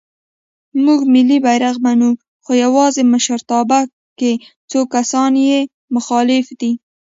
مونږ ملی بیرغ منو خو یواځې مشرتابه کې څو کسان یې مخالف دی.